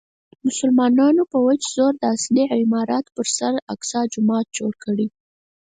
مسلمانانو په وچ زور د اصلي عمارت پر سر اقصی جومات جوړ کړی.